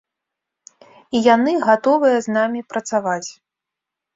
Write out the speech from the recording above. І яны гатовыя з намі працаваць.